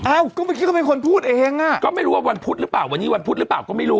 เอ้าก็เมื่อกี้ก็เป็นคนพูดเองอ่ะก็ไม่รู้ว่าวันพุธหรือเปล่าวันนี้วันพุธหรือเปล่าก็ไม่รู้